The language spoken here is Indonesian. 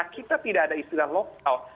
kita tidak ada istilah lockdown